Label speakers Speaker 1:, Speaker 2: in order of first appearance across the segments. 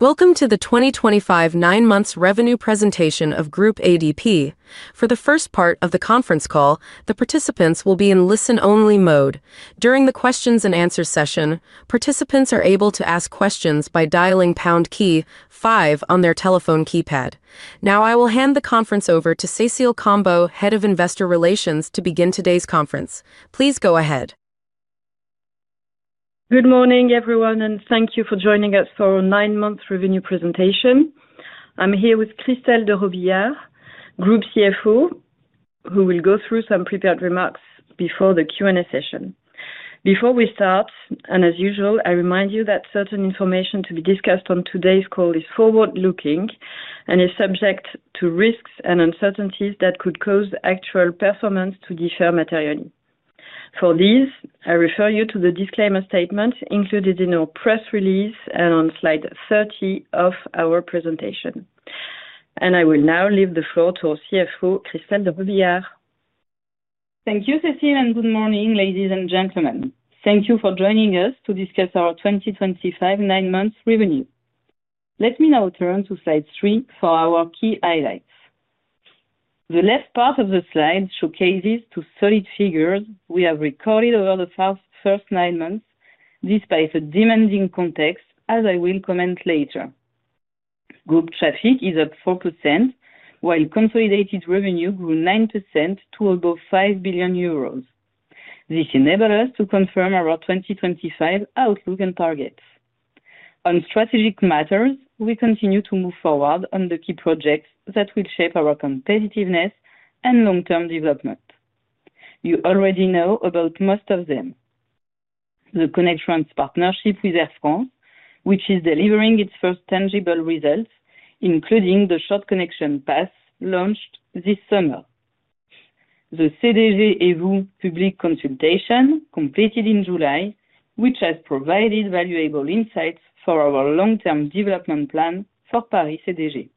Speaker 1: Welcome to the 2025 nine-month revenue presentation of Groupe ADP. For the first part of the conference call, the participants will be in listen-only mode. During the questions and answers session, participants are able to ask questions by dialing the pound key, five on their telephone keypad. Now, I will hand the conference over to Cécile Combeau, Head of Investor Relations, to begin today's conference. Please go ahead.
Speaker 2: Good morning, everyone, and thank you for joining us for our nine-month revenue presentation. I'm here with Christelle De Robillard, Group CFO, who will go through some prepared remarks before the Q&A session. Before we start, as usual, I remind you that certain information to be discussed on today's call is forward-looking and is subject to risks and uncertainties that could cause actual performance to differ materially. For these, I refer you to the disclaimer statement included in our press release and on slide 30 of our presentation. I will now leave the floor to our CFO, Christelle De Robillard.
Speaker 3: Thank you, Cécile, and good morning, ladies and gentlemen. Thank you for joining us to discuss our 2025 nine-month revenue. Let me now turn to slide three for our key highlights. The left part of the slide showcases two solid figures we have recorded over the first nine months, despite a demanding context, as I will comment later. Group traffic is up 4%, while consolidated revenue grew 9% to above 5 billion euros. This enables us to confirm our 2025 outlook and targets. On strategic matters, we continue to move forward on the key projects that will shape our competitiveness and long-term development. You already know about most of them. The Connex France partnership with Air France, which is delivering its first tangible results, including the short connection pass launched this summer. The CDG Evoque public consultation completed in July, which has provided valuable insights for our long-term development plan for Paris CDG.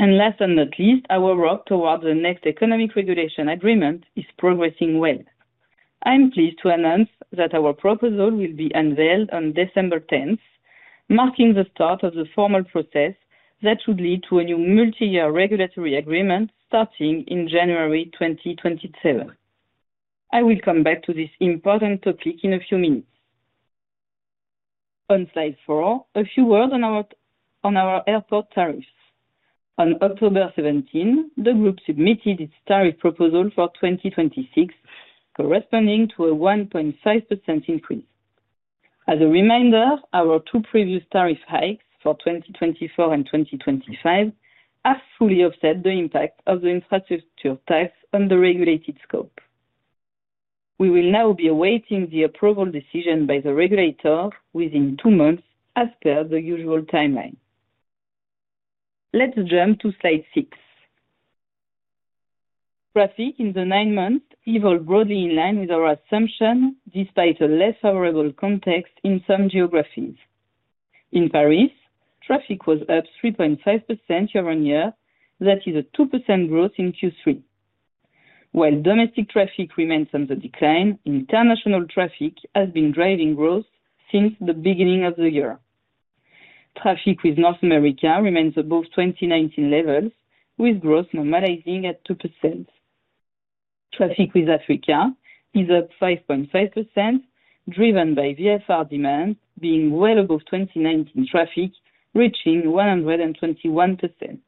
Speaker 3: Last but not least, our work towards the next Economic Regulation Agreement is progressing well. I'm pleased to announce that our proposal will be unveiled on December 10th, marking the start of the formal process that should lead to a new multi-year regulatory agreement starting in January 2027. I will come back to this important topic in a few minutes. On slide four, a few words on our airport tariffs. On October 17, the group submitted its tariff proposal for 2026, corresponding to a 1.5% increase. As a reminder, our two previous tariff hikes for 2024 and 2025 have fully offset the impact of the infrastructure tax on the regulated scope. We will now be awaiting the approval decision by the regulator within two months, as per the usual timeline. Let's jump to slide six. Traffic in the nine months evolved broadly in line with our assumption, despite a less favorable context in some geographies. In Paris, traffic was up 3.5% year-on-year. That is a 2% growth in Q3. While domestic traffic remains on the decline, international traffic has been driving growth since the beginning of the year. Traffic with North America remains above 2019 levels, with growth normalizing at 2%. Traffic with Africa is up 5.5%, driven by VFR demand being well above 2019 traffic, reaching 121%.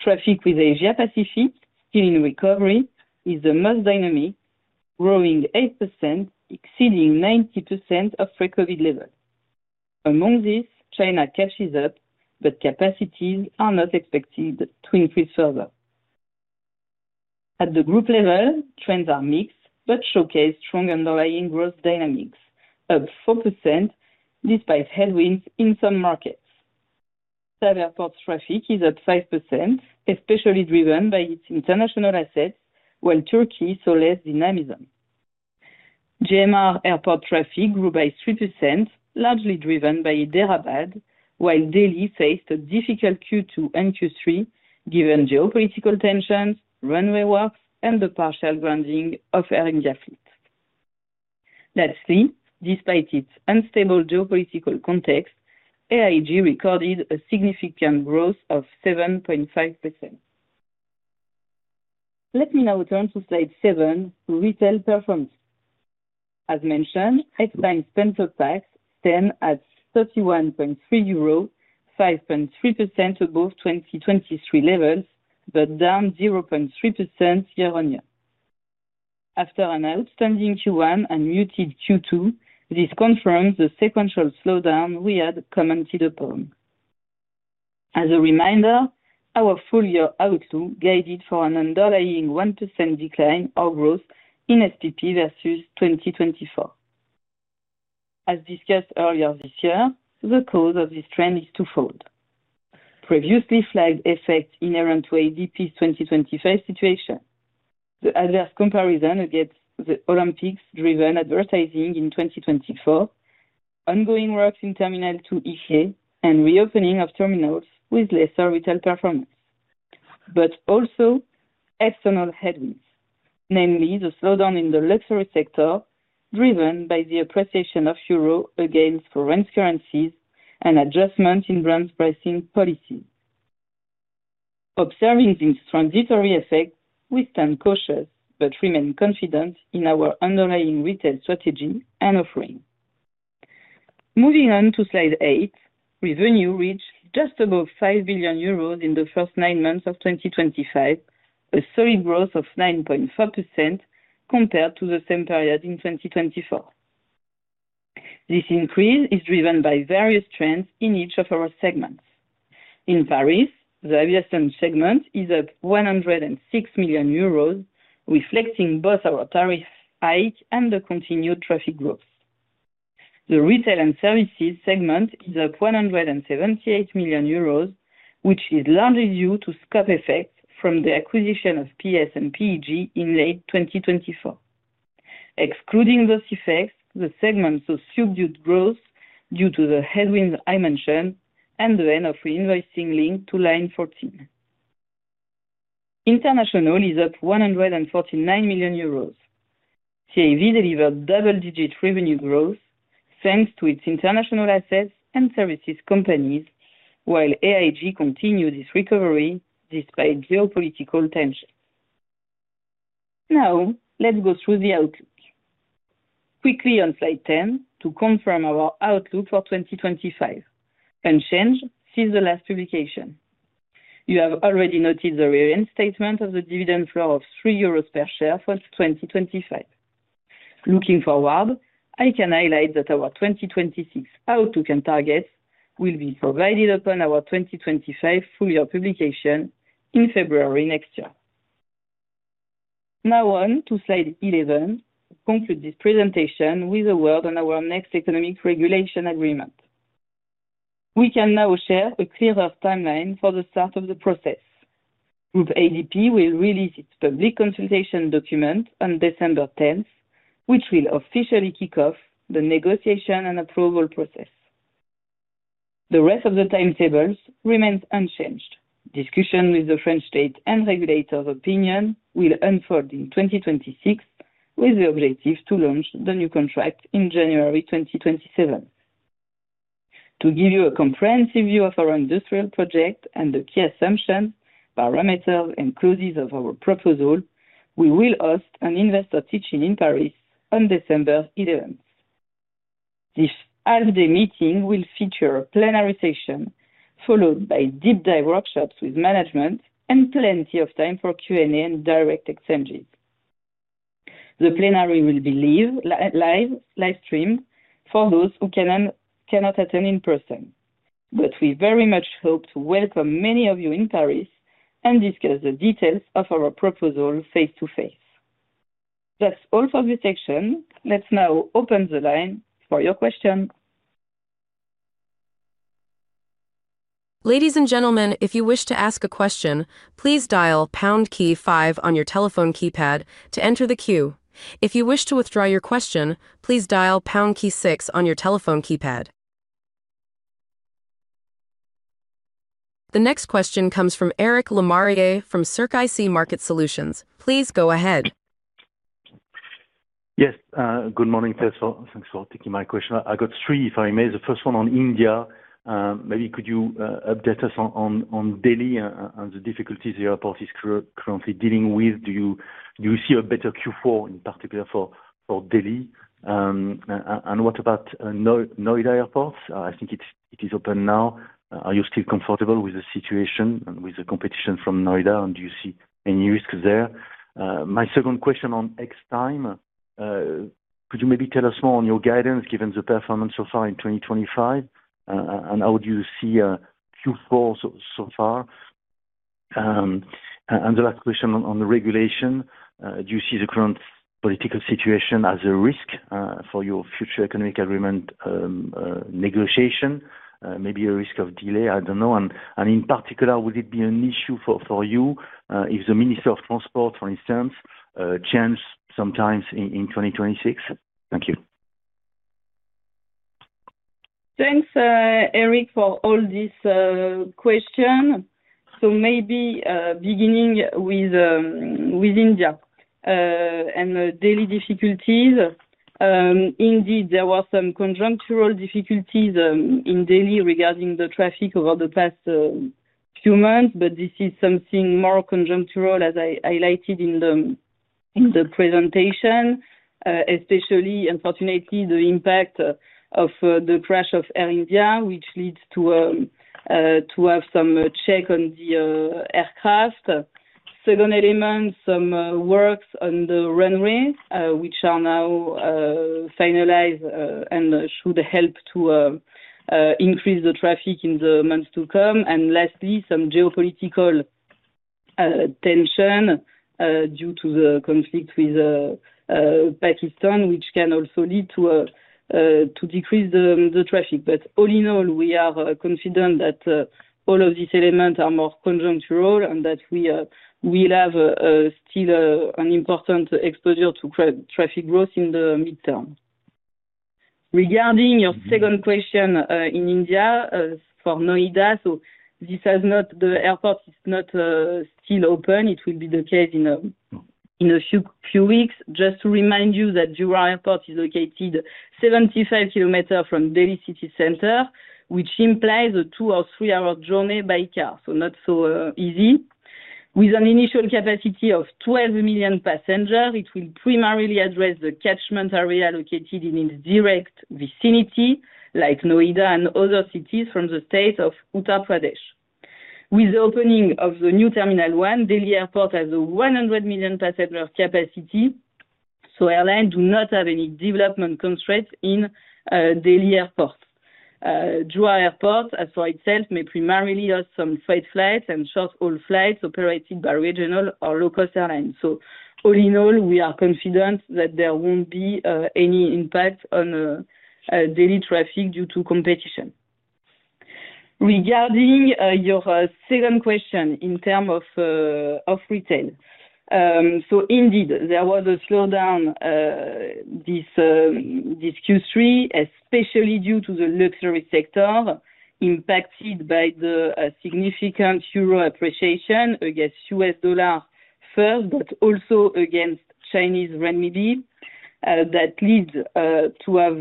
Speaker 3: Traffic with Asia-Pacific, still in recovery, is the most dynamic, growing 8%, exceeding 90% of pre-COVID levels. Among these, China catches up, but capacities are not expected to increase further. At the group level, trends are mixed but showcase strong underlying growth dynamics, up 4%, despite headwinds in some markets. Groupe ADP's airport traffic is up 5%, especially driven by its international assets, while Turkey saw less dynamism. GMR Airports traffic grew by 3%, largely driven by Hyderabad, while Delhi faced a difficult Q2 and Q3, given geopolitical tensions, runway works, and the partial grounding of Air India fleet. Lastly, despite its unstable geopolitical context, AIG recorded a significant growth of 7.5%. Let me now turn to slide seven, retail performance. As mentioned, headline spend surpassed SPP at 31.3 euros, 5.3% above 2023 levels, but down 0.3% year-on-year. After an outstanding Q1 and muted Q2, this confirms the sequential slowdown we had commented upon. As a reminder, our full-year outlook guided for an underlying 1% decline or growth in SPP versus 2024. As discussed earlier this year, the cause of this trend is twofold. Previously flagged effects inherent to Groupe ADP's 2025 situation, the adverse comparison against the Olympics-driven advertising in 2024, ongoing works in Terminal 2EG, and reopening of terminals with lesser retail performance, but also external headwinds, namely the slowdown in the luxury sector driven by the appreciation of euro against foreign currencies and adjustment in brand pricing policies. Observing these transitory effects, we stand cautious but remain confident in our underlying retail strategy and offering. Moving on to slide eight, revenue reached just above 5 billion euros in the first nine months of 2025, a solid growth of 9.4% compared to the same period in 2024. This increase is driven by various trends in each of our segments. In Paris, the aviation segment is up 106 million euros, reflecting both our tariff hike and the continued traffic growth. The retail and services segment is up 178 million euros, which is largely due to scope effects from the acquisition of PS and PEG in late 2024. Excluding those effects, the segment saw subdued growth due to the headwinds I mentioned and the end of reinvoicing linked to line 14. International is up 149 million euros. TAV Airports delivered double-digit revenue growth thanks to its international assets and services companies, while AIG continued its recovery despite geopolitical tensions. Now, let's go through the outlook. Quickly on slide 10, to confirm our outlook for 2025 unchanged since the last publication. You have already noted the reaffirmed statement of the dividend floor of 3 euros per share for 2025. Looking forward, I can highlight that our 2026 outlook and targets will be provided upon our 2025 full-year publication in February next year. Now on to slide 11, to conclude this presentation with a word on our next Economic Regulation Agreement. We can now share a clearer timeline for the start of the process. Groupe ADP will release its public consultation document on December 10, which will officially kick off the negotiation and approval process. The rest of the timetable remains unchanged. Discussion with the French state and regulator's opinion will unfold in 2026, with the objective to launch the new contract in January 2027. To give you a comprehensive view of our industrial project and the key assumptions, parameters, and causes of our proposal, we will host an investor teaching in Paris on December 11. This half-day meeting will feature a plenary session followed by deep-dive workshops with management and plenty of time for Q&A and direct exchanges. The plenary will be livestreamed for those who cannot attend in person, but we very much hope to welcome many of you in Paris and discuss the details of our proposal face-to-face. That's all for this section. Let's now open the line for your question.
Speaker 1: Ladies and gentlemen, if you wish to ask a question, please dial Pound key five on your telephone keypad to enter the queue. If you wish to withdraw your question, please dial Pound key six on your telephone keypad. The next question comes from Eric Lemarié from CircAsie Market Solutions. Please go ahead.
Speaker 4: Yes, good morning, first of all. Thanks for taking my question. I got three, if I may. The first one on India. Maybe could you update us on Delhi and the difficulties the airport is currently dealing with? Do you see a better Q4, in particular for Delhi? What about Noida Airport? I think it is open now. Are you still comfortable with the situation and with the competition from Noida? Do you see any risks there? My second question on Xtime. Could you maybe tell us more on your guidance given the performance so far in 2025? How do you see Q4 so far? The last question on the regulation. Do you see the current political situation as a risk for your future economic agreement negotiation? Maybe a risk of delay? I don't know. In particular, would it be an issue for you if the Minister of Transport, for instance, changed sometime in 2026? Thank you.
Speaker 3: Thanks, Eric, for all these questions. Maybe beginning with India and the Delhi difficulties. Indeed, there were some conjunctural difficulties in Delhi regarding the traffic over the past few months, but this is something more conjunctural, as I highlighted in the presentation, especially, unfortunately, the impact of the crash of Air India, which leads to have some check on the aircraft. The second element, some works on the runways, which are now finalized and should help to increase the traffic in the months to come. Lastly, some geopolitical tension due to the conflict with Pakistan, which can also lead to decrease the traffic. All in all, we are confident that all of these elements are more conjunctural and that we will have still an important exposure to traffic growth in the midterm. Regarding your second question in India for Noida, this is not the airport is still open. It will be the case in a few weeks. Just to remind you that Noida Airport is located 75 km from Delhi City Center, which implies a two or three-hour journey by car, so not so easy. With an initial capacity of 12 million passengers, it will primarily address the catchment area located in its direct vicinity, like Noida and other cities from the state of Uttar Pradesh. With the opening of the new Terminal 1, Delhi Airport has a 100 million passenger capacity. Airlines do not have any development constraints in Delhi Airport. Noida Airport, as for itself, may primarily host some freight flights and short haul flights operated by regional or low-cost airlines. All in all, we are confident that there won't be any impact on Delhi traffic due to competition. Regarding your second question in terms of retail, indeed, there was a slowdown this Q3, especially due to the luxury sector impacted by the significant euro appreciation against the U.S. dollar first, but also against Chinese renminbi. That leads to have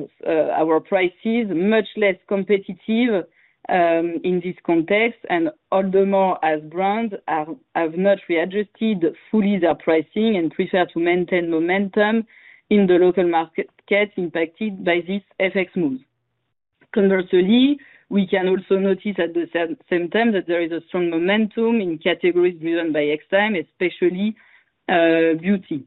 Speaker 3: our prices much less competitive in this context. All the more, as brands have not readjusted fully their pricing and prefer to maintain momentum in the local markets impacted by this FX move. Conversely, we can also notice at the same time that there is a strong momentum in categories driven by Xtime, especially beauty.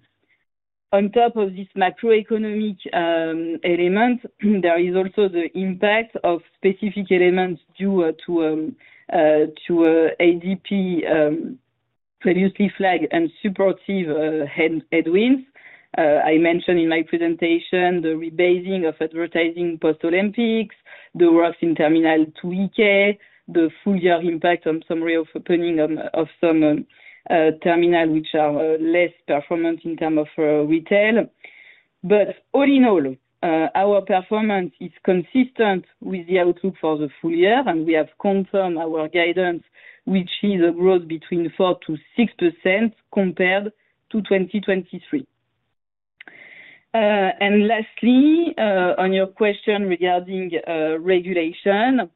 Speaker 3: On top of this macroeconomic element, there is also the impact of specific elements due to ADP previously flagged and supportive headwinds. I mentioned in my presentation the rebasing of advertising post-Olympics, the works in Terminal 2 EK, the full-year impact on summary of opening of some terminals which are less performant in terms of retail. All in all, our performance is consistent with the outlook for the full year, and we have confirmed our guidance, which is a growth between 4%-6% compared to 2023. Lastly, on your question regarding regulation,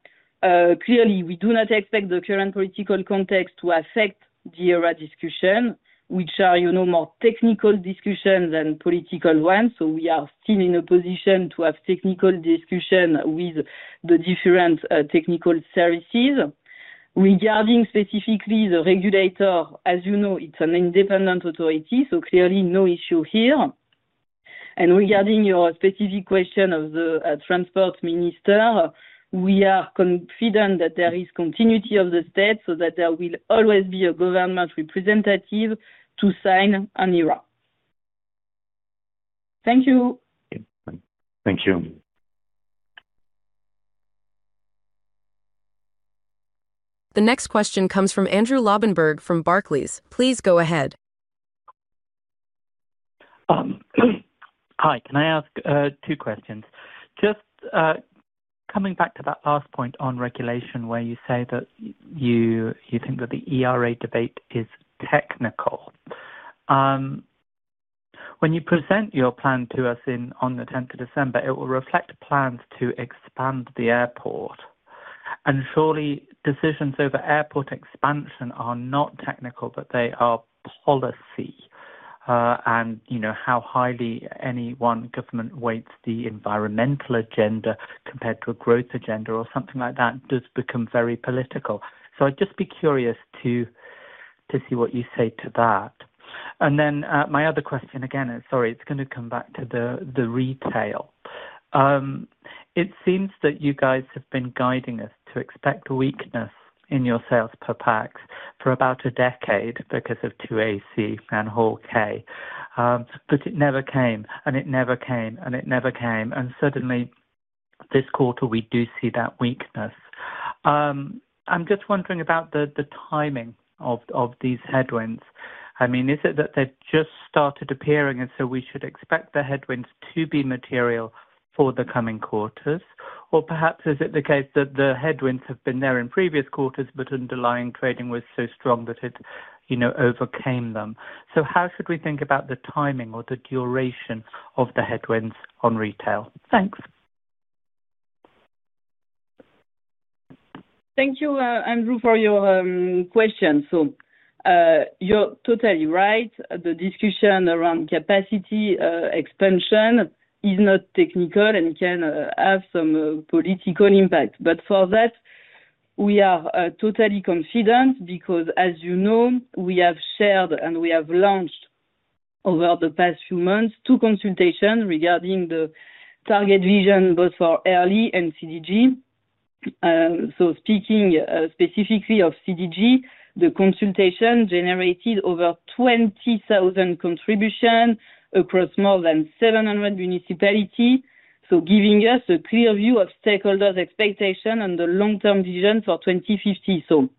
Speaker 3: clearly, we do not expect the current political context to affect the ERA discussion, which are, you know, more technical discussions than political ones. We are still in a position to have technical discussion with the different technical services. Regarding specifically the regulator, as you know, it's an independent authority, so clearly no issue here. Regarding your specific question of the transport minister, we are confident that there is continuity of the state so that there will always be a government representative to sign an ERA. Thank you.
Speaker 4: Thank you.
Speaker 1: The next question comes from Andrew Lobbenberg from Barclays. Please go ahead.
Speaker 5: Hi. Can I ask two questions? Just coming back to that last point on regulation where you say that you think that the ERA debate is technical. When you present your plan to us on the 10th of December, it will reflect plans to expand the airport. Surely, decisions over airport expansion are not technical, but they are policy. You know how highly any one government weights the environmental agenda compared to a growth agenda or something like that does become very political. I'd just be curious to see what you say to that. My other question again, sorry, it's going to come back to the retail. It seems that you guys have been guiding us to expect weakness in your sales per passenger for about a decade because of 2AC and 4K. It never came, and it never came, and it never came. Suddenly, this quarter, we do see that weakness. I'm just wondering about the timing of these headwinds. Is it that they've just started appearing and we should expect the headwinds to be material for the coming quarters? Or perhaps is it the case that the headwinds have been there in previous quarters, but underlying trading was so strong that it overcame them? How should we think about the timing or the duration of the headwinds on retail? Thanks.
Speaker 3: Thank you, Andrew, for your question. You're totally right. The discussion around capacity expansion is not technical and can have some political impact. For that, we are totally confident because, as you know, we have shared and we have launched over the past few months two consultations regarding the target vision both for Air France and CDG. Speaking specifically of CDG, the consultation generated over 20,000 contributions across more than 700 municipalities, giving us a clear view of stakeholders' expectations and the long-term vision for 2050.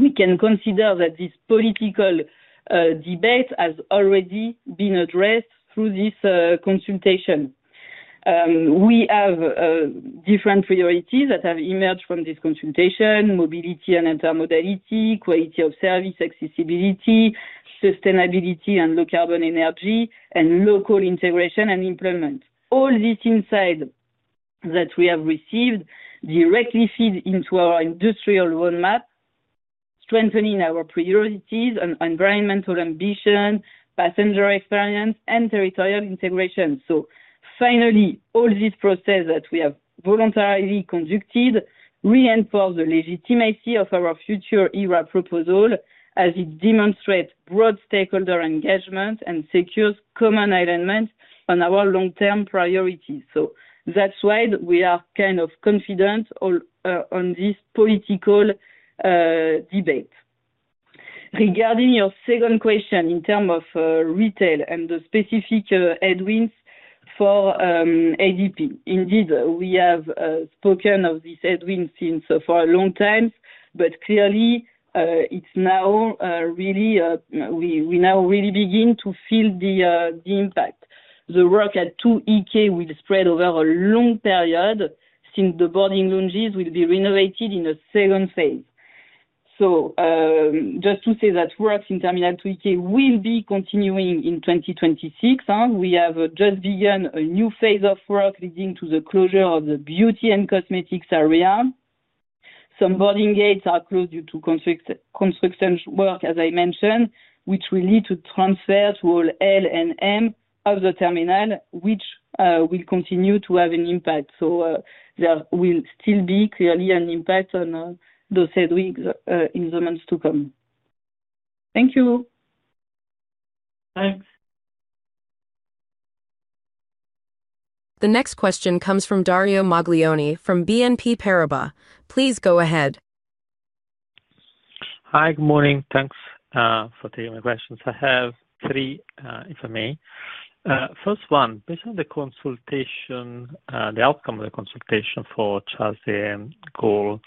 Speaker 3: We can consider that this political debate has already been addressed through this consultation. We have different priorities that have emerged from this consultation: mobility and intermodality, quality of service, accessibility, sustainability and low-carbon energy, and local integration and employment. All this insight that we have received directly feeds into our industrial roadmap, strengthening our priorities, environmental ambition, passenger experience, and territorial integration. All this process that we have voluntarily conducted reinforces the legitimacy of our future ERA proposal as it demonstrates broad stakeholder engagement and secures common alignment on our long-term priorities. That's why we are kind of confident on this political debate. Regarding your second question in terms of retail and the specific headwinds for ADP, indeed, we have spoken of these headwinds for a long time, but clearly, we now really begin to feel the impact. The work at 2EK will spread over a long period since the boarding lounges will be renovated in a second phase. Just to say that works in Terminal 2EK will be continuing in 2026. We have just begun a new phase of work leading to the closure of the beauty and cosmetics area. Some boarding gates are closed due to construction work, as I mentioned, which will lead to transfer to all L&M of the terminal, which will continue to have an impact. There will still be clearly an impact on those headwinds in the months to come. Thank you.
Speaker 5: Thanks.
Speaker 1: The next question comes from Dario Maglione from BNP Paribas. Please go ahead.
Speaker 6: Hi. Good morning. Thanks for taking my questions. I have three, if I may. First one, based on the consultation, the outcome of the consultation for Charles de Gaulle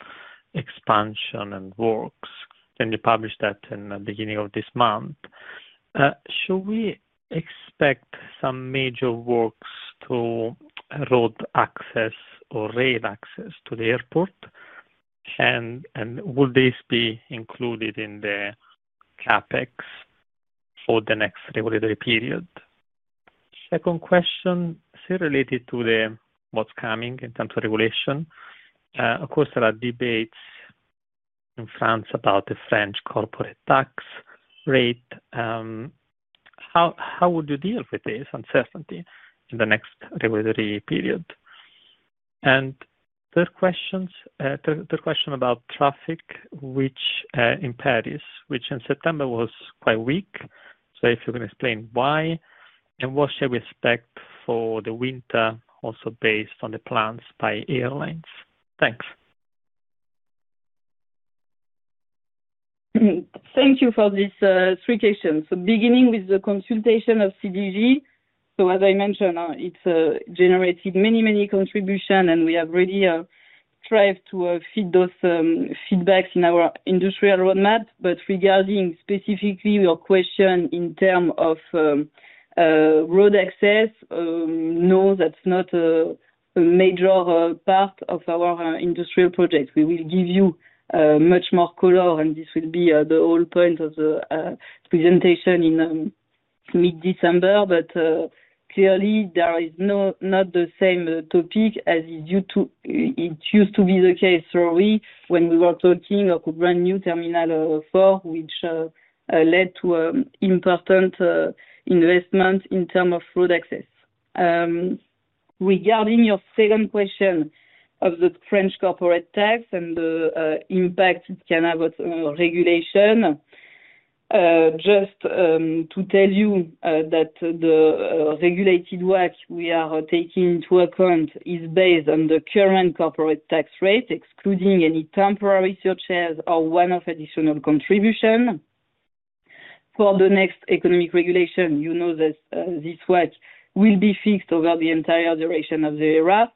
Speaker 6: expansion and works, and you published that in the beginning of this month. Shall we expect some major works to road access or rail access to the airport? Will this be included in the CapEx for the next regulatory period? Second question, still related to what's coming in terms of regulation. Of course, there are debates in France about the French corporate tax rate. How would you deal with this uncertainty in the next regulatory period? Third question, about traffic, which in Paris, which in September was quite weak. If you can explain why. What shall we expect for the winter, also based on the plans by airlines? Thanks.
Speaker 3: Thank you for these three questions. Beginning with the consultation of CDG, as I mentioned, it's generated many, many contributions, and we have already tried to feed those feedbacks in our industrial roadmap. Regarding specifically your question in terms of road access, no, that's not a major part of our industrial project. We will give you much more color, and this will be the whole point of the presentation in mid-December. Clearly, there is not the same topic as it used to be the case, sorry, when we were talking of a brand new Terminal 4, which led to an important investment in terms of road access. Regarding your second question of the French corporate tax and the impact it can have on regulation, just to tell you that the regulated work we are taking into account is based on the current corporate tax rate, excluding any temporary surcharge or one-off additional contribution. For the next economic regulation, you know that this work will be fixed over the entire duration of the ERA.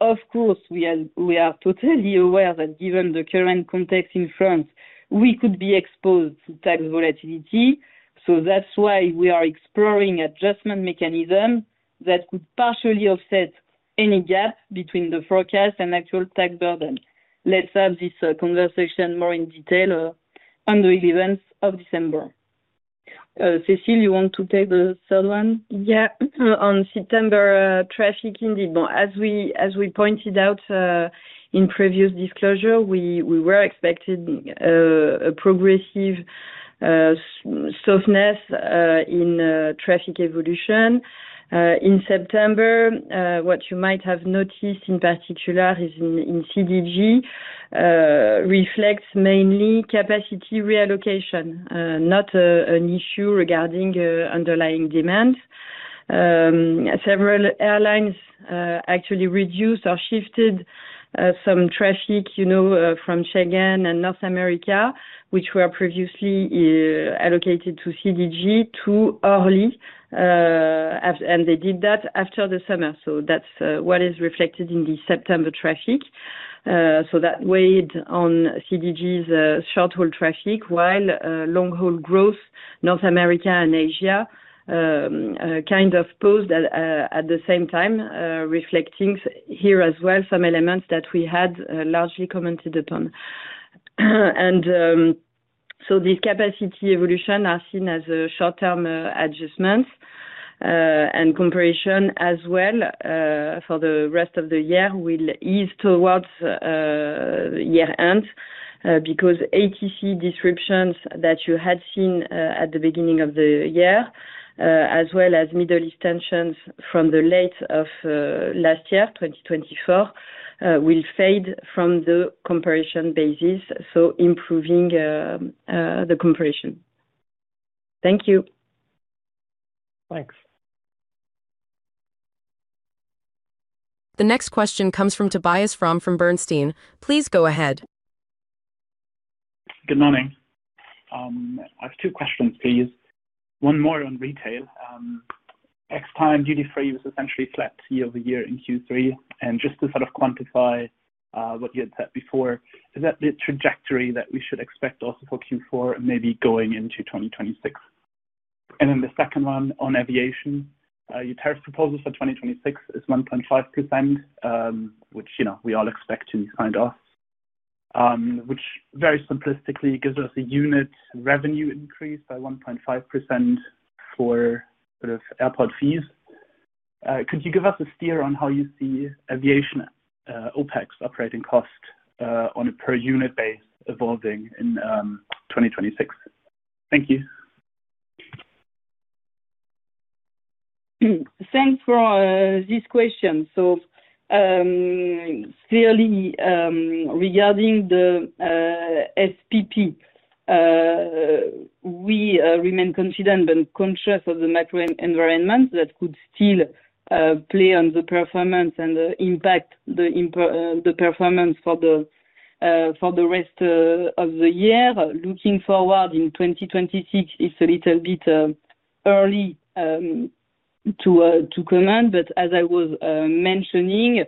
Speaker 3: Of course, we are totally aware that given the current context in France, we could be exposed to tax volatility. That's why we are exploring adjustment mechanisms that could partially offset any gap between the forecast and actual tax burden. Let's have this conversation more in detail on the 11th of December. Cécile, you want to take the third one? Yeah. On September traffic, indeed. As we pointed out in previous disclosure, we were expecting a progressive softness in traffic evolution. In September, what you might have noticed in particular is in CDG reflects mainly capacity reallocation, not an issue regarding underlying demand. Several airlines actually reduced or shifted some traffic from Schengen and North America, which were previously allocated to CDG to Orly, and they did that after the summer. That's what is reflected in the September traffic. That weighed on CDG's short haul traffic while long haul growth, North America and Asia, kind of paused at the same time, reflecting here as well some elements that we had largely commented upon. These capacity evolutions are seen as short-term adjustments. Comparison as well for the rest of the year will ease towards year-end because ATC disruptions that you had seen at the beginning of the year, as well as Middle East tensions from the late of last year, 2024, will fade from the comparison basis, improving the comparison. Thank you.
Speaker 6: Thanks.
Speaker 1: The next question comes from Tobias Fromm from Bernstein. Please go ahead.
Speaker 7: Good morning. I have two questions, please. One more on retail. Xtime beauty segment, duty-free was essentially flat year-over-year in Q3. Just to sort of quantify what you had said before, is that the trajectory that we should expect also for Q4 and maybe going into 2026? The second one on aviation. Your tariff increase proposal for 2026 is 1.5%, which you know we all expect to sign off, which very simplistically gives us a unit revenue increase by 1.5% for sort of airport fees. Could you give us a steer on how you see aviation OpEx operating cost on a per unit base evolving in 2026? Thank you.
Speaker 3: Thanks for this question. Clearly, regarding the SPP, we remain confident but conscious of the macro environment that could still play on the performance and impact the performance for the rest of the year. Looking forward in 2026, it's a little bit early to comment. As I was mentioning,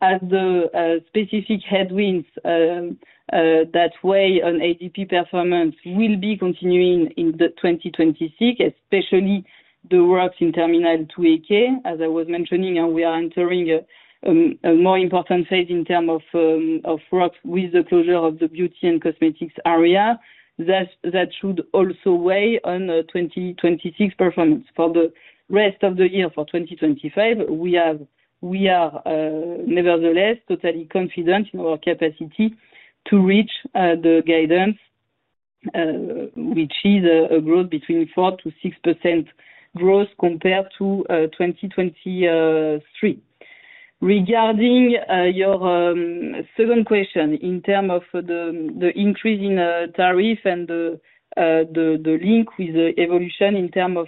Speaker 3: the specific headwinds that weigh on ADP performance will be continuing in 2026, especially the works in Terminal 2AK. As I was mentioning, we are entering a more important phase in terms of works with the closure of the beauty and cosmetics area. That should also weigh on 2026 performance. For the rest of the year, for 2025, we are, nevertheless, totally confident in our capacity to reach the guidance, which is a growth between 4%-6% growth compared to 2023. Regarding your second question, in terms of the increase in tariff and the link with the evolution in terms of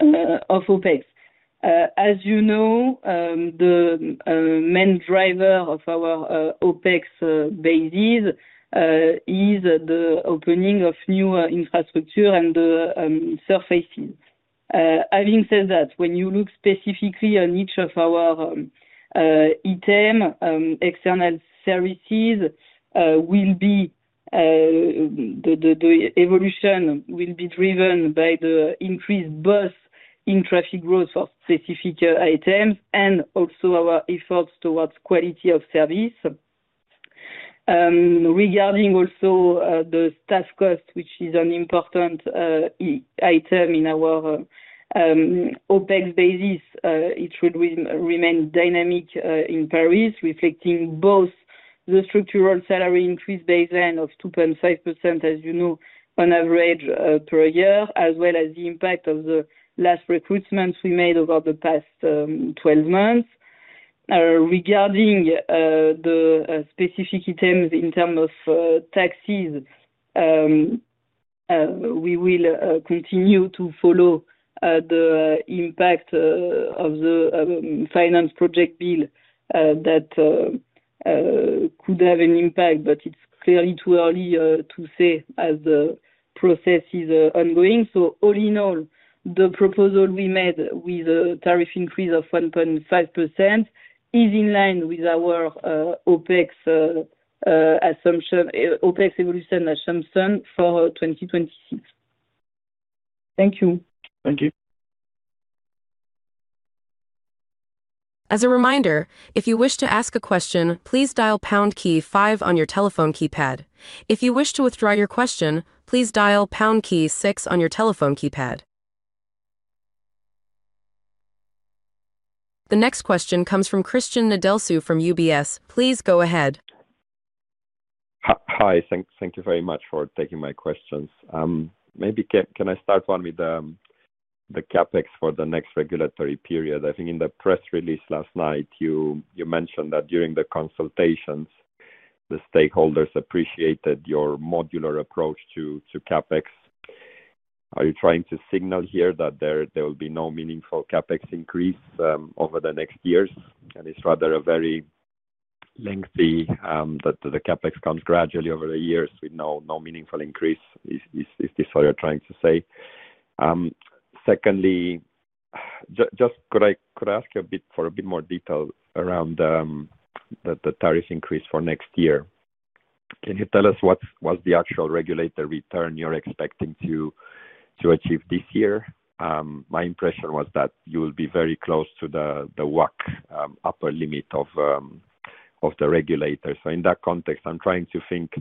Speaker 3: OpEx, as you know, the main driver of our OpEx basis is the opening of new infrastructure and the surfaces. Having said that, when you look specifically on each of our items, external services, the evolution will be driven by the increased burst in traffic growth for specific items and also our efforts towards quality of service. Regarding also the staff cost, which is an important item in our OpEx basis, it should remain dynamic in Paris, reflecting both the structural salary increase baseline of 2.5% as you know, on average per year, as well as the impact of the last recruitments we made over the past 12 months. Regarding the specific items in terms of taxes, we will continue to follow the impact of the finance project bill that could have an impact, but it's clearly too early to say as the process is ongoing. All in all, the proposal we made with a tariff increase of 1.5% is in line with our OpEx evolution assumption for 2026. Thank you.
Speaker 7: Thank you.
Speaker 1: As a reminder, if you wish to ask a question, please dial pound key, five on your telephone keypad. If you wish to withdraw your question, please dial pound key six on your telephone keypad. The next question comes from Cristian Nedelcu from UBS. Please go ahead.
Speaker 8: Hi. Thank you very much for taking my questions. Maybe can I start one with the CapEx for the next regulatory period? I think in the press release last night, you mentioned that during the consultations, the stakeholders appreciated your modular approach to CapEx. Are you trying to signal here that there will be no meaningful CapEx increase over the next years? It's rather a very lengthy that the CapEx comes gradually over the years. We know no meaningful increase. Is this what you're trying to say? Secondly, just could I ask you for a bit more detail around the tariff increase for next year? Can you tell us what's the actual regulatory return you're expecting to achieve this year? My impression was that you will be very close to the WACC upper limit of the regulator. In that context, I'm trying to think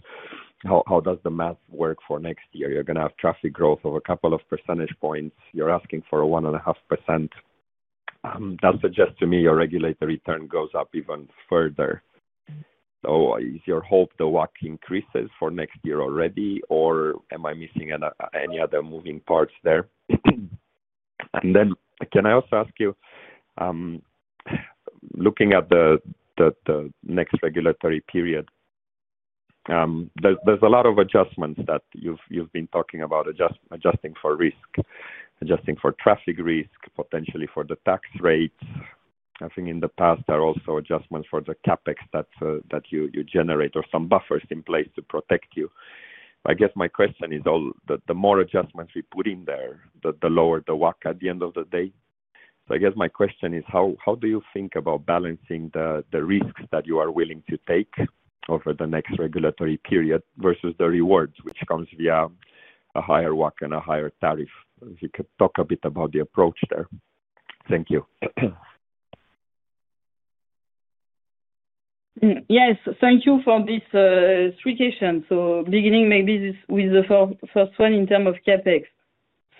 Speaker 8: how does the math work for next year? You're going to have traffic growth of a couple of percentage points. You're asking for a 1.5%. That suggests to me your regulatory return goes up even further. Is your hope the WACC increases for next year already, or am I missing any other moving parts there? Can I also ask you, looking at the next regulatory period, there's a lot of adjustments that you've been talking about, adjusting for risk, adjusting for traffic risk, potentially for the tax rates. I think in the past, there are also adjustments for the CapEx that you generate or some buffers in place to protect you. I guess my question is all that the more adjustments we put in there, the lower the WACC at the end of the day. I guess my question is, how do you think about balancing the risks that you are willing to take over the next regulatory period versus the rewards, which comes via a higher WACC and a higher tariff? If you could talk a bit about the approach there. Thank you.
Speaker 3: Yes. Thank you for this suggestion. Beginning maybe with the first one in terms of CapEx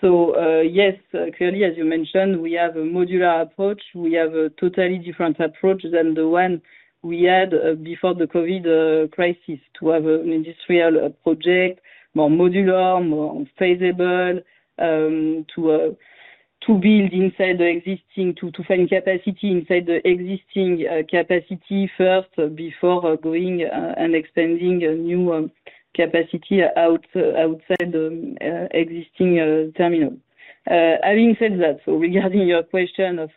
Speaker 3: Yes, clearly, as you mentioned, we have a modular approach. We have a totally different approach than the one we had before the COVID crisis to have an industrial project, more modular, more feasible, to build inside the existing, to find capacity inside the existing capacity first before going and expanding new capacity outside the existing terminal. Having said that, regarding your question of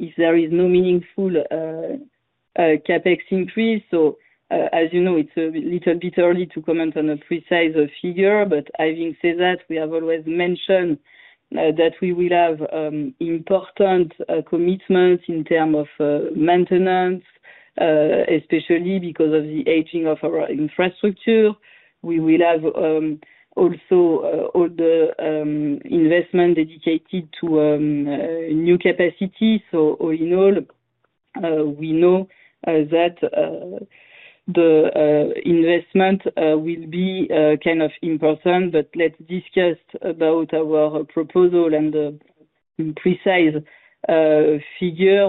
Speaker 3: if there is no meaningful CapEx increase, as you know, it's a little bit early to comment on a precise figure. Having said that, we have always mentioned that we will have important commitments in terms of maintenance, especially because of the aging of our infrastructure. We will have also all the investment dedicated to new capacity. All in all, we know that the investment will be kind of important. Let's discuss our proposal and the precise figure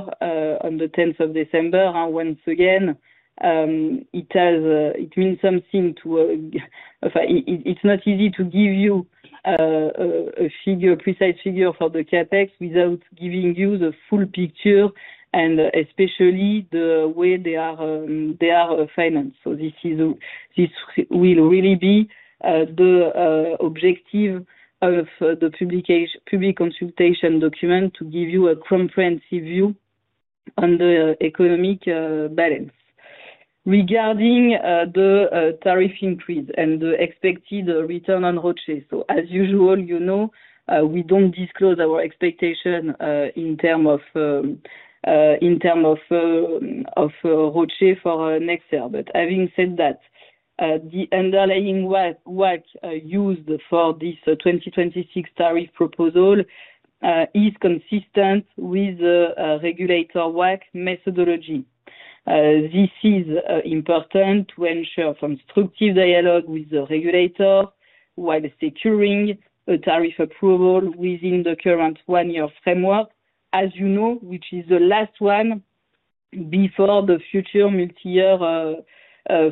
Speaker 3: on the 10th of December. Once again, it's not easy to give you a precise figure for the CapEx without giving you the full picture and especially the way they are financed. This will really be the objective of the public consultation document to give you a comprehensive view on the economic balance. Regarding the tariff increase and the expected return on roadshow, as usual, you know, we don't disclose our expectation in terms of roadshow for next year. Having said that, the underlying WACC used for this 2026 tariff proposal is consistent with the regulator WACC methodology. This is important to ensure constructive dialogue with the regulator while securing a tariff approval within the current one-year framework, which is the last one before the future multi-year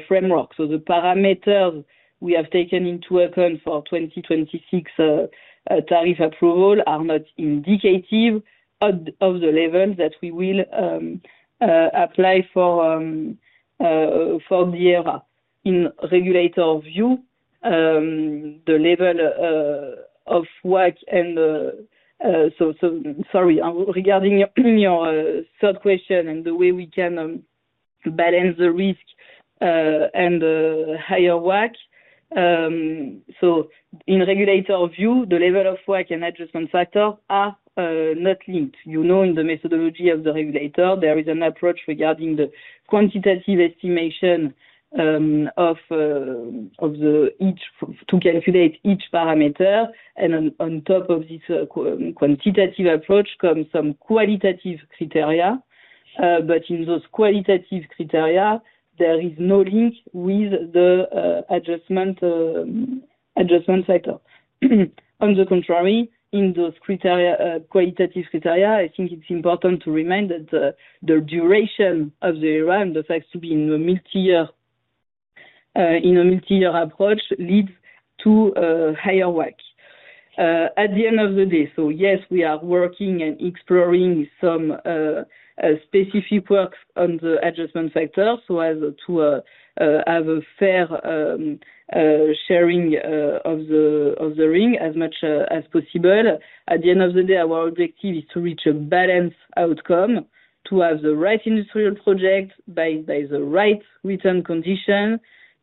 Speaker 3: framework. The parameters we have taken into account for 2026 tariff approval are not indicative of the level that we will apply for the Economic Regulation Agreement. In regulator view, the level of WACC and the, sorry, regarding your third question and the way we can balance the risk and the higher WACC, in regulator view, the level of WACC and adjustment factor are not linked. In the methodology of the regulator, there is an approach regarding the quantitative estimation to calculate each parameter. On top of this quantitative approach comes some qualitative criteria. In those qualitative criteria, there is no link with the adjustment factor. On the contrary, in those qualitative criteria, I think it's important to remind that the duration of the ERA and the fact to be in a multi-year approach leads to higher WACC at the end of the day. Yes, we are working and exploring some specific works on the adjustment factor so as to have a fair sharing of the ring as much as possible. At the end of the day, our objective is to reach a balanced outcome, to have the right industrial project by the right return condition,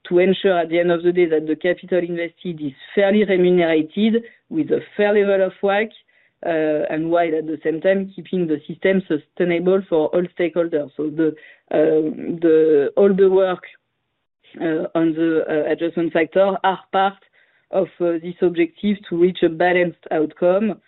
Speaker 3: to ensure at the end of the day that the capital invested is fairly remunerated with a fair level of WACC, while at the same time keeping the system sustainable for all stakeholders. All the work on the adjustment factor are part of this objective to reach a balanced outcome.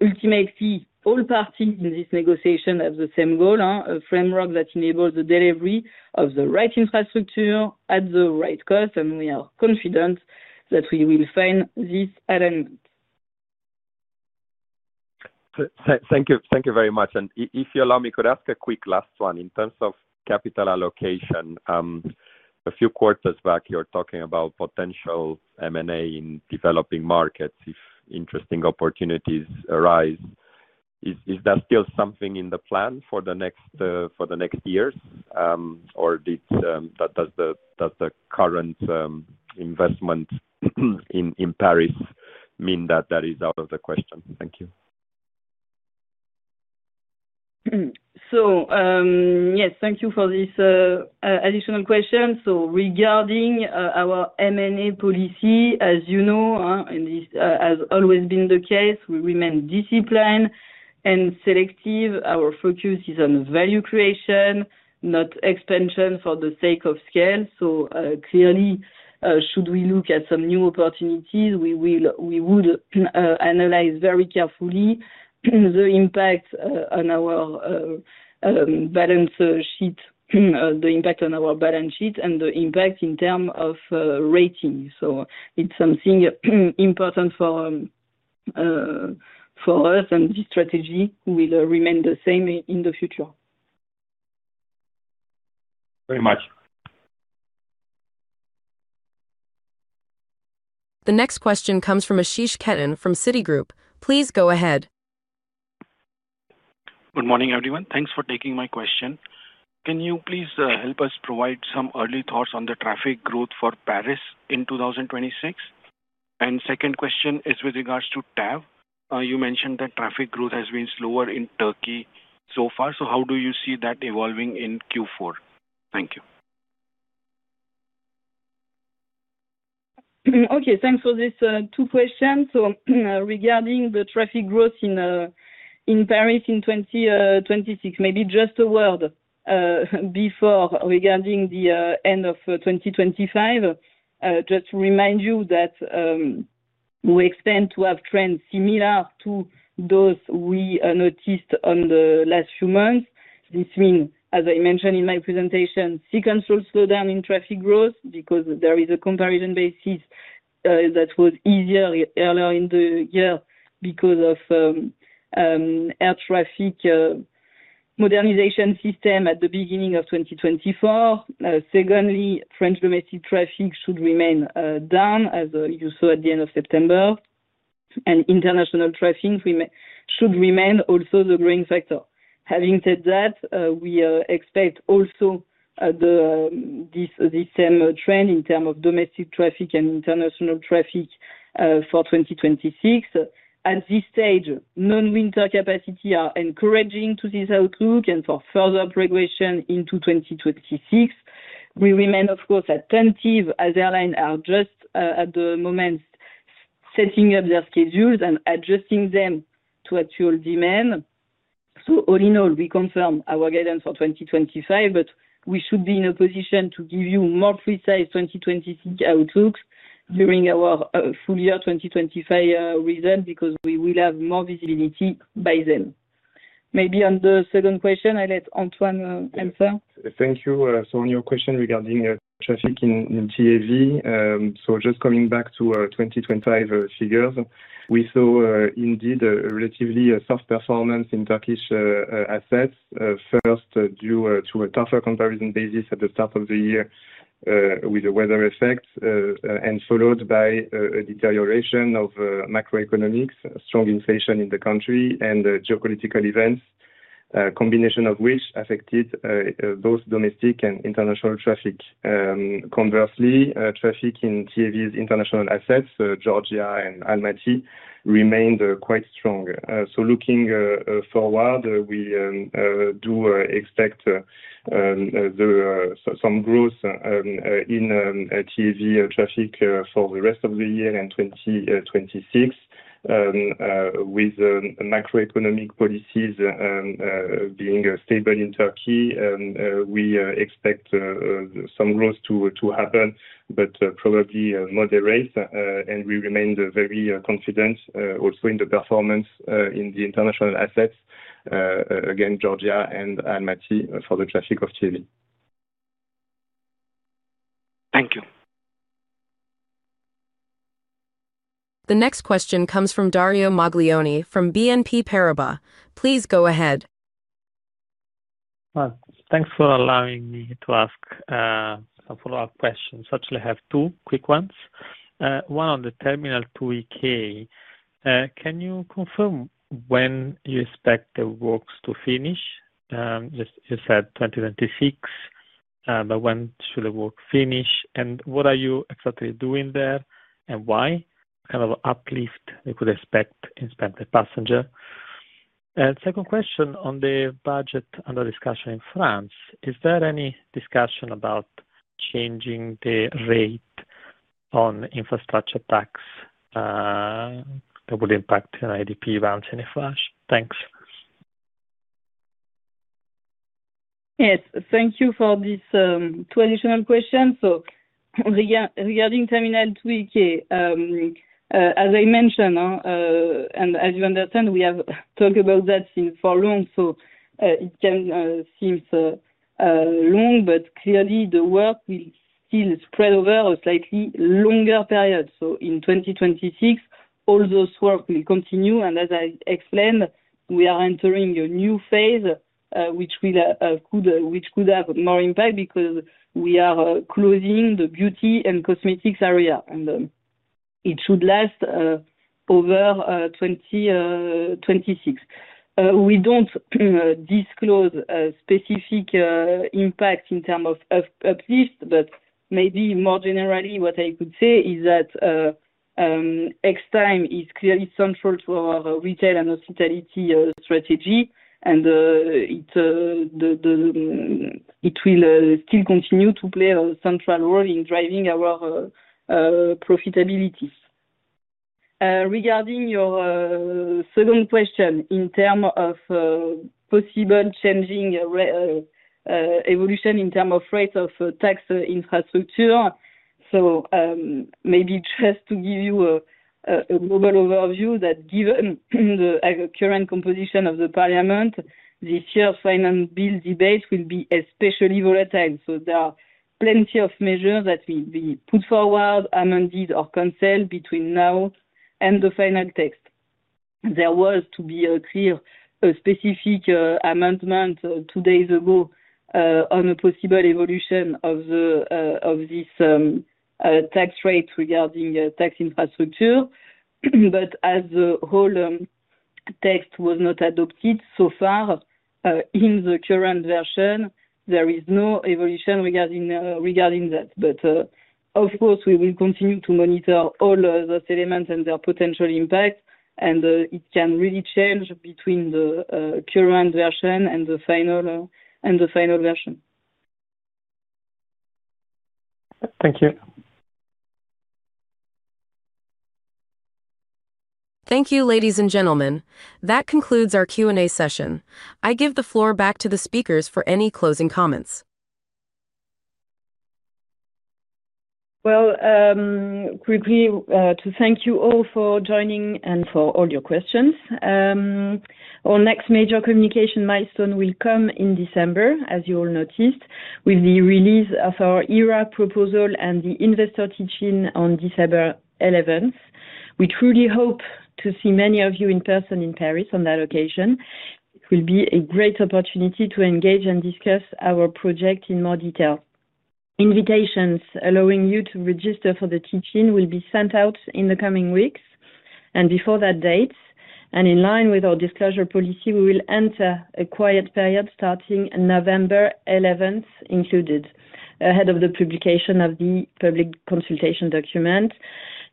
Speaker 3: Ultimately, all parties in this negotiation have the same goal, a framework that enables the delivery of the right infrastructure at the right cost. We are confident that we will find this alignment.
Speaker 8: Thank you. Thank you very much. If you allow me, could I ask a quick last one in terms of capital allocation? A few quarters back, you were talking about potential M&A in developing markets if interesting opportunities arise. Is that still something in the plan for the next years? Does the current investment in Paris mean that that is out of the question? Thank you.
Speaker 3: Yes, thank you for this additional question. Regarding our M&A policy, as you know, and this has always been the case, we remain disciplined and selective. Our focus is on value creation, not expansion for the sake of scale. Clearly, should we look at some new opportunities, we would analyze very carefully the impact on our balance sheet, the impact on our balance sheet, and the impact in terms of rating. It's something important for us, and this strategy will remain the same in the future.
Speaker 8: Very much.
Speaker 1: The next question comes from Ashish Ketan from Citigroup. Please go ahead.
Speaker 9: Good morning, everyone. Thanks for taking my question. Can you please help us provide some early thoughts on the traffic growth for Paris in 2026? My second question is with regards to TAV. You mentioned that traffic growth has been slower in Turkey so far. How do you see that evolving in Q4? Thank you.
Speaker 3: Okay. Thanks for these two questions. Regarding the traffic growth in Paris in 2026, maybe just a word before regarding the end of 2025. Just to remind you that we expect to have trends similar to those we noticed in the last few months. This means, as I mentioned in my presentation, sequence will slow down in traffic growth because there is a comparison basis that was easier earlier in the year because of air traffic modernization system at the beginning of 2024. Secondly, French domestic traffic should remain down, as you saw at the end of September, and international traffic should remain also the growing factor. Having said that, we expect also this same trend in terms of domestic traffic and international traffic for 2026. At this stage, non-winter capacity is encouraging to this outlook and for further progression into 2026. We remain, of course, attentive as airlines are just at the moment setting up their schedules and adjusting them to actual demand. All in all, we confirm our guidance for 2025, but we should be in a position to give you more precise 2026 outlooks during our full-year 2025 results because we will have more visibility by then. Maybe on the second question, I'll let Antoine answer.
Speaker 10: Thank you. On your question regarding traffic in TAV, just coming back to 2025 figures, we saw indeed a relatively soft performance in Turkish assets, first due to a tougher comparison basis at the start of the year with the weather effect, and followed by a deterioration of macroeconomics, strong inflation in the country, and geopolitical events, a combination of which affected both domestic and international traffic. Conversely, traffic in TAV's international assets, Georgia and Almaty, remained quite strong. Looking forward, we do expect some growth in TAV traffic for the rest of the year and 2026. With macroeconomic policies being stable in Turkey, we expect some growth to happen, probably moderate. We remain very confident also in the performance in the international assets, again, Georgia and Almaty for the traffic of TAV. Thank you.
Speaker 1: The next question comes from Dario Maglione from BNP Paribas. Please go ahead.
Speaker 6: Thanks for allowing me to ask some follow-up questions. I have two quick ones. One on the Terminal 2EK. Can you confirm when you expect the works to finish? You said 2026, but when should the work finish? What are you exactly doing there and why? What kind of uplift could you expect in terms of passenger? My second question, on the budget under discussion in France, is there any discussion about changing the rate on infrastructure tax that would impact an ADP bounce in a flash? Thanks.
Speaker 3: Yes. Thank you for these two additional questions. Regarding Terminal 2EK, as I mentioned, and as you understand, we have talked about that for long. It can seem long, but clearly, the work will still spread over a slightly longer period. In 2026, all those works will continue. As I explained, we are entering a new phase, which could have more impact because we are closing the beauty and cosmetics area. It should last over 2026. We don't disclose a specific impact in terms of uplift, but maybe more generally, what I could say is that Xtime is clearly central to our retail and hospitality strategy. It will still continue to play a central role in driving our profitability. Regarding your second question, in terms of possible changing evolution in terms of rates of tax infrastructure, maybe just to give you a global overview, given the current composition of the parliament, this year's finance bill debate will be especially volatile. There are plenty of measures that will be put forward, amended, or canceled between now and the final text. There was to be a clear specific amendment two days ago on a possible evolution of this tax rate regarding tax infrastructure. As the whole text was not adopted so far in the current version, there is no evolution regarding that. Of course, we will continue to monitor all those elements and their potential impact. It can really change between the current version and the final version. Thank you.
Speaker 1: Thank you, ladies and gentlemen. That concludes our Q&A session. I give the floor back to the speakers for any closing comments.
Speaker 2: Thank you all for joining and for all your questions. Our next major communication milestone will come in December, as you all noticed, with the release of our ERA proposal and the investor teaching on December 11th. We truly hope to see many of you in person in Paris on that occasion. It will be a great opportunity to engage and discuss our project in more detail. Invitations allowing you to register for the teaching will be sent out in the coming weeks. Before that date, and in line with our disclosure policy, we will enter a quiet period starting November 11th, included ahead of the publication of the public consultation document.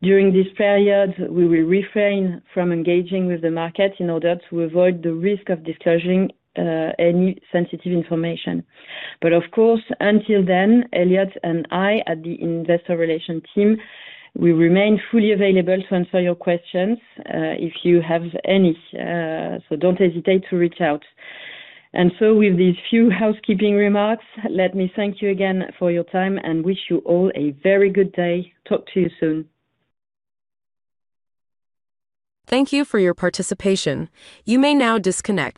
Speaker 2: During this period, we will refrain from engaging with the market in order to avoid the risk of disclosing any sensitive information. Of course, until then, Elliot and I at the Investor Relations team will remain fully available to answer your questions if you have any. Don't hesitate to reach out. With these few housekeeping remarks, let me thank you again for your time and wish you all a very good day. Talk to you soon.
Speaker 1: Thank you for your participation. You may now disconnect.